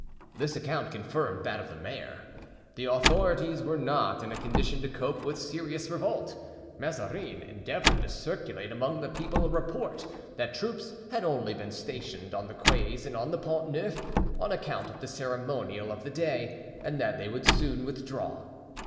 This account confirmed that of the mayor. The authorities were not in a condition to cope with serious revolt. Mazarin endeavored to circulate among the people a report that troops had only been stationed on the quays and on the Pont Neuf, on account of the ceremonial of the day, and that they would soon withdraw.